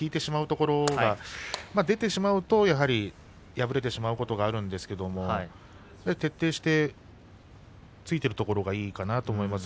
それが出てしまうと敗れてしまうこともあるんですが徹底して突いているところがいいかなと思います。